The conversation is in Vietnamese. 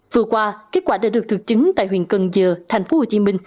vừa qua kết quả đã được thực chứng tại huyện cần dừa tp hcm